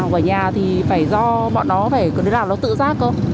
học ở nhà thì phải do bọn nó phải làm nó tự giác không